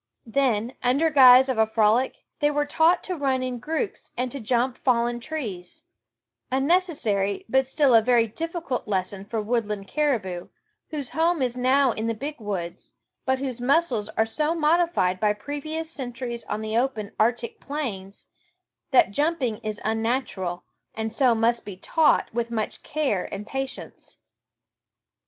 Then, under guise of a frolic, they were taught to run in groups and to jump fallen trees, a necessary but still a very % difficult lesson for woodland caribou, whose home is now in the big woods, but whose muscles are so modified by previous centuries on the open Arctic plains that jumping is unnatural, a'nd so must be taught with much care and patience.